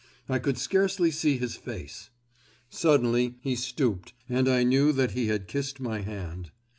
I could scarcely see his face. Suddenly he stooped and I knew that he had kissed my hand.